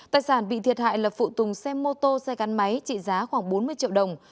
tài sản bị thiệt hại là phụ tùng xe mô tô xe gắn máy trị giá khoảng bốn mươi triệu đồng